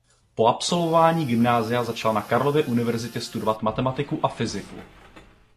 Po absolvování gymnázia začal na Karlově univerzitě studovat matematiku a fyziku.